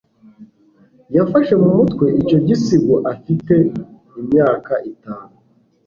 Yafashe mu mutwe icyo gisigo afite imyaka itanu